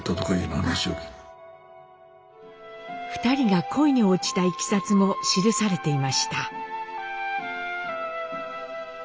２人が恋に落ちたいきさつも記されていました。